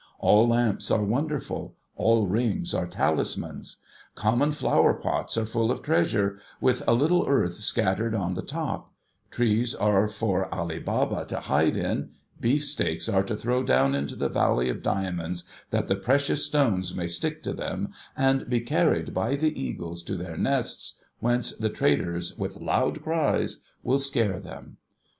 All lamps are wonderful; all rings are talismans. Common flower pots are full of treasure, with a little earth scattered on the top ; trees are for Ali Baba to hide in ; beef steaks are to throw down into the Valley of Diamonds, that the precious stones may stick to them, and be carried by the eagles to their nests, whence the traders, with loud cries, will scare them.